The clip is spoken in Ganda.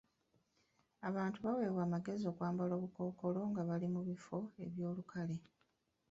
Abantu baaweebwa amagezi okwambala obukookolo nga bali mu bifo eby'olukale.